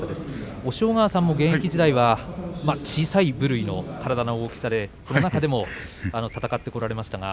押尾川さんも現役時代は小さい部類の体の大きさでその中でも戦ってこられました。